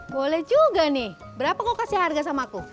boleh juga nih berapa kau kasih harga sama aku